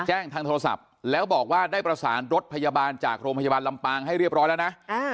แจ้งทางโทรศัพท์แล้วบอกว่าได้ประสานรถพยาบาลจากโรงพยาบาลลำปางให้เรียบร้อยแล้วนะ